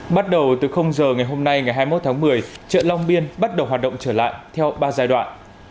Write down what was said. bắt đầu từ giờ ngày hôm nay ngày hai mươi một tháng một mươi chợ long biên bắt đầu hoạt động trở lại theo ba giai đoạn